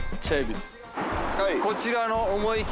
こちらの思いき